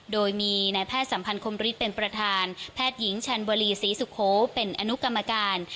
โดยมีนายแพทย์สัมพันธมฤทธิเป็นประธานแพทย์หญิงชันบรีศรีสุโขเป็นอนุกรรมการ